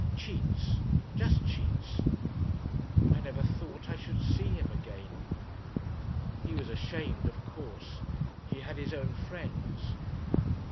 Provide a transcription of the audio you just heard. "Cheats ... just cheats. "I never thought I should see him again.... "He was ashamed, of course.... He had his own friends."